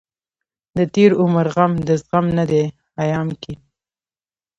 دتېر عمر غم دزغم نه دی ايام کې